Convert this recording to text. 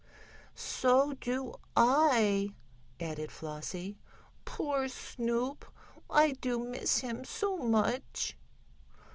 "So do I," added Flossie. "Poor Snoop! I do miss him so much."